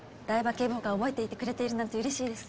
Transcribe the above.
警部補が覚えていてくれているなんて嬉しいです。